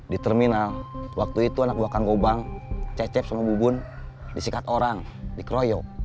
di terminal waktu itu anak buah kang gobang cecep sama bubun disikat orang dikroyok